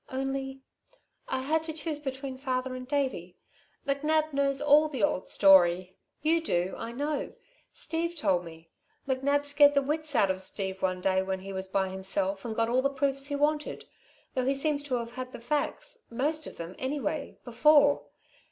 "Only I had to choose between father and Davey. McNab knows all the old story. You do, I know. Steve told me. McNab scared the wits out of Steve one day when he was by himself and got all the proofs he wanted, though he seems to have had the facts most of them, anyway before.